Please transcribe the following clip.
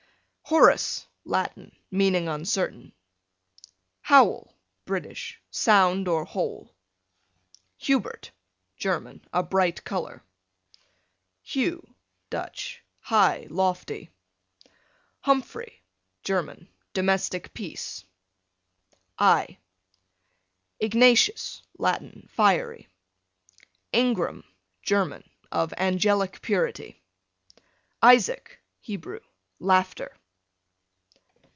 Horace, Latin, meaning uncertain. Howel, British, sound or whole. Hubert, German, a bright color. Hugh, Dutch, high, lofty. Humphrey, German, domestic peace. I Ignatius, Latin, fiery. Ingram, German, of angelic purity. Isaac, Hebrew, laughter.